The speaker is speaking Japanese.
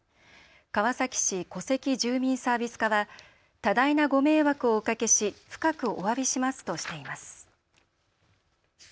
川崎市戸籍住民サービス課は多大なご迷惑をおかけし深くおわびしますとしています。